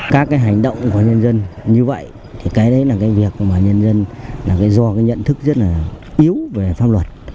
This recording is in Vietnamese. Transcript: các cái hành động của nhân dân như vậy thì cái đấy là cái việc mà nhân dân là do cái nhận thức rất là yếu về pháp luật